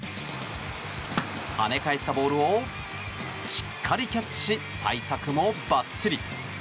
跳ね返ったボールをしっかりキャッチし対策もばっちり。